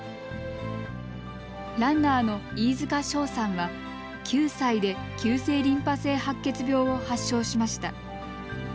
ランナーの飯塚翔さんは９歳で急性リンパ性白血病を発症しました。